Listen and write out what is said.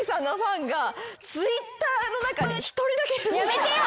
やめてよ！